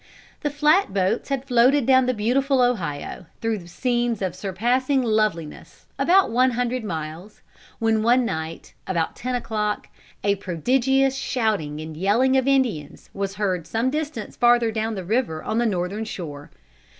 The flat boats had floated down the beautiful Ohio, through scenes of surpassing loveliness, about one hundred miles, when one night about ten o'clock a prodigious shouting and yelling of Indians was heard some distance farther down the river on the northern shore.